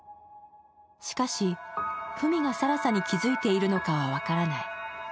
しかし、文が更紗に気付いているのかは分からない。